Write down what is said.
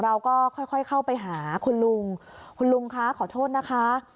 เราก็ค่อยเข้าไปหาคุณลุงคุณลุงคะขอโทษนะคะ